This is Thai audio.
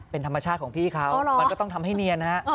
เป็นธรรมชาติของพี่เขามันก็ต้องทำให้เนียนฮะ